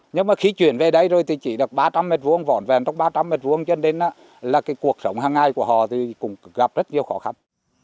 nhưng mà khi chuyển về đây rồi thì chỉ được ba trăm linh m hai vỏn vẹn trong ba trăm linh m hai cho nên là cái cuộc sống hàng ngày của họ thì cũng gặp rất nhiều khó khăn